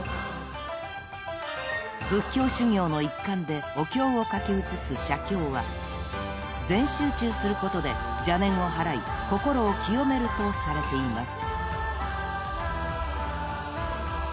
［仏教修行の一環でお経を書き写す写経は全集中することで邪念を払い心を清めるとされています］